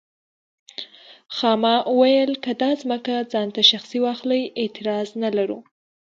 خاما وویل که دا ځمکه ځان ته شخصي واخلي اعتراض نه لرو.